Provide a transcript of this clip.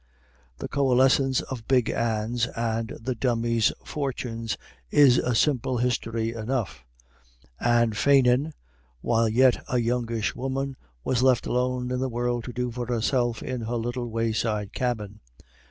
The coalescence of Big Anne's and the Dummy's fortunes is a simple history enough. Anne Fannin, while yet a youngish woman, was left alone in the world to do for herself in her little wayside cabin.